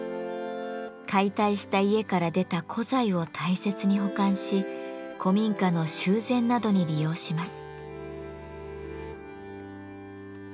解体した家から出た古材を大切に保管し古民家の修繕などに利用します。